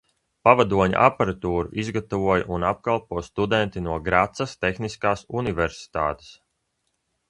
Pavadoņa aparatūru izgatavoja un apkalpo studenti no Gracas tehniskās universitātes.